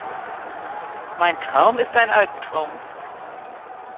Mein Traum ist dein Albtraum.